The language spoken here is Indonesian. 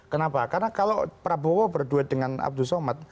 kenapa karena kalau prabowo berduet dengan abdul somad